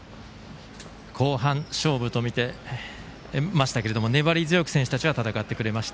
後半勝負と見てましたけれども粘り強く選手たちは戦ってくれました。